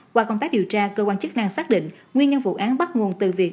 qua công tác điều tra cơ quan chức năng xác định nguyên nhân vụ án bắt nguồn từ việc